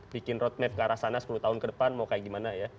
bikin roadmap ke arah sana sepuluh tahun ke depan mau kayak gimana ya